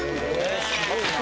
すごいな。